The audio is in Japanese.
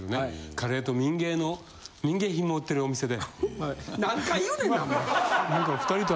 カレーと民芸の民芸品も売ってるお店で。